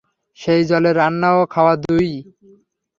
সেই জলে রান্না ও খাওয়া দুই-ই।